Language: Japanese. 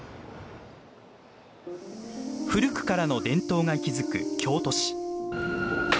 古くからの伝統が息づく京都市。